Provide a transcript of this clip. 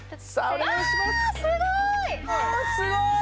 あすごい！